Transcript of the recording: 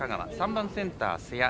３番センター、瀬谷。